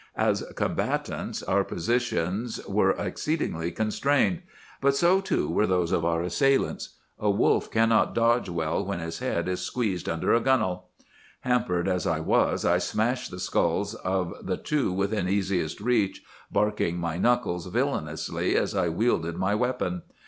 "As combatants, our positions were exceedingly constrained; but so, too, were those of our assailants. A wolf cannot dodge well when his head is squeezed under a gunwale. "Hampered as I was I smashed the skulls of the two within easiest reach, barking my knuckles villanously as I wielded my weapon.